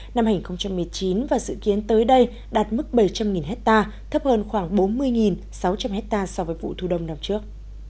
năm hai nghìn một mươi chín và dự kiến tới đây đạt mức bảy trăm linh hectare thấp hơn khoảng bốn mươi sáu trăm linh hectare so với vụ thu đông năm trước